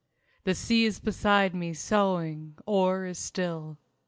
The sea is beside me soughing, or is still.